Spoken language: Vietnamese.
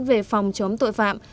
về phòng chống tội phạm